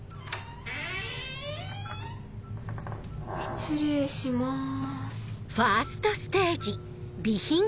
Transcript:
失礼します。